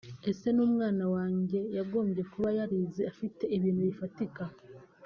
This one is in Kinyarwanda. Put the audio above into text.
Ese n’umwana wanjye yagombye kuba yarize afite ibintu bifatika